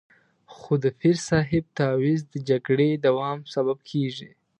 خو د پیر صاحب تعویض د جګړې دوام سبب کېږي.